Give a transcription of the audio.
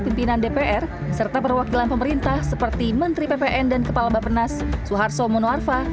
pimpinan dpr serta perwakilan pemerintah seperti menteri ppn dan kepala bapenas suharto monoarfa